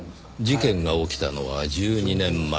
事件が起きたのは１２年前。